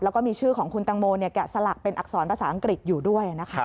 แล้วก็มีชื่อของคุณตังโมแกะสลักเป็นอักษรภาษาอังกฤษอยู่ด้วยนะคะ